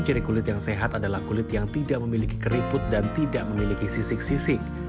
ciri kulit yang sehat adalah kulit yang tidak memiliki keriput dan tidak memiliki sisik sisik